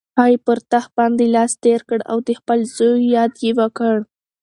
هغې پر تخت باندې لاس تېر کړ او د خپل زوی یاد یې وکړ.